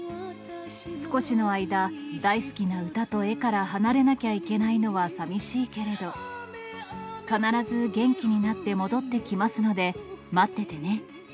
少しの間、大好きな歌と絵から離れなきゃいけないのはさみしいけれど、必ず元気になって戻ってきますので、待っててね。